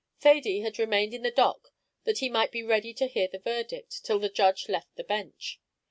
Thady had remained in the dock that he might be ready to hear the verdict, till the judge left the bench.